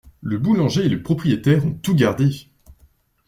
Le boulanger et le propriétaire ont tout gardé!